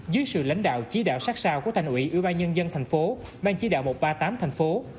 dưới sự lãnh đạo chỉ đạo sát sao của thành ủy ủy ban nhân dân thành phố ban chỉ đạo một trăm ba mươi tám thành phố